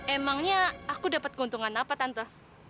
emangnya aku dapat keuntungan apa tante